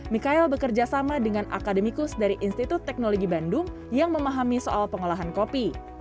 mikael bekerja sama dengan akademikus dari institut teknologi bandung yang memahami soal pengolahan kopi